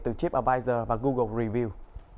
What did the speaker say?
từ tripadvisor và google review